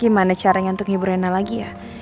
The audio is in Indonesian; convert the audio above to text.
gimana caranya untuk ngibur rina lagi ya